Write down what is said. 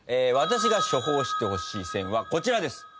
私が処方してほしい「選」はこちらです。